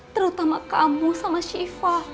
terutama kamu sama syifa